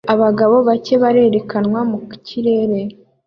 Abagabo bake barerekanwa mu kirere